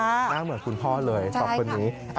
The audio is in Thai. หน้าเหมือนคุณพ่อเลยสองคนนี้